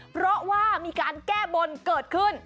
เพราะว่ามีการแก้บนเกิดขึ้น